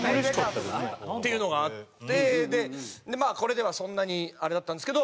っていうのがあってこれではそんなにあれだったんですけど。